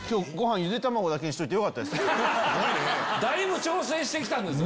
だいぶ調整してきたんですね。